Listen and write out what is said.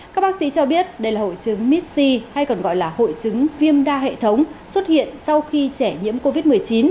các bác sĩ cho biết đây là hội chứng mitsy hay còn gọi là hội chứng viêm đa hệ thống xuất hiện sau khi trẻ nhiễm covid một mươi chín